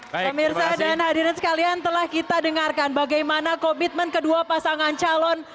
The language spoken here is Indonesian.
pemirsa dan hadirin sekalian telah kita dengarkan bagaimana komitmen kedua pasangan calon